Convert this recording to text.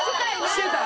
してた？